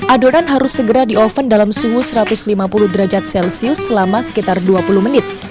adonan harus segera di oven dalam suhu satu ratus lima puluh derajat celcius selama sekitar dua puluh menit